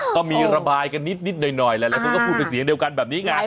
ก็มีระบายกันนิดหน่อยหลายคนก็พูดเป็นเสียงเดียวกันแบบนี้ไง